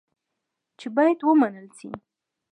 چې باید ومنل شي.